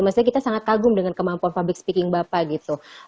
maksudnya kita sangat kagum dengan kemampuan public speaking bapak gitu